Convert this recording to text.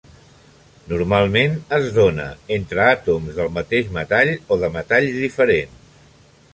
Normalment es dóna entre àtoms del mateix metall o de metalls diferents.